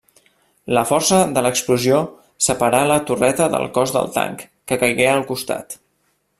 La força de l'explosió separà la torreta del cos del tanc, que caigué al costat.